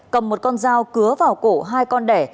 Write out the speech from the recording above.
cầm một con dao cứa vào cổ hai con đẻ